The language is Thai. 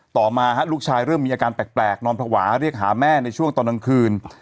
ต่อมาลูกชายเริ่มมีอาการแปลกนอนภาวะเรียกหาแม่ในช่วงตอนกลางคืน